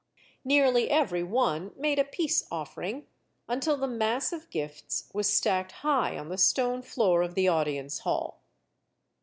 Nearly every one made a peace offering, until the mass of gifts was stacked high on the stone floor of the audience hall.